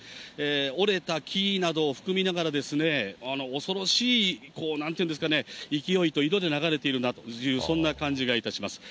折れた木などを含みながら、恐ろしい、なんていうんですかね、勢いと色で流れているなと、そんな感じがいたします。